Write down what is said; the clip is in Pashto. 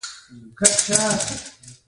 د اسونو ساتنه د نجیبوالي نښه ده.